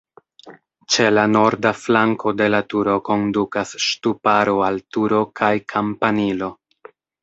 Ĉe la norda flanko de la turo kondukas ŝtuparo al turo kaj kampanilo.